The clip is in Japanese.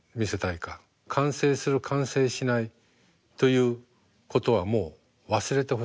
完成する完成しないということはもう忘れてほしい。